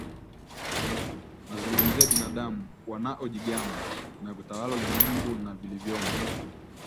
Nazungumzia binadamu wanaojigamba kutawala ulimwengu na vilivyomo